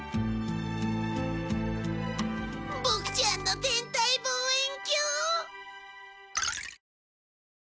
ボクちゃんの天体望遠鏡。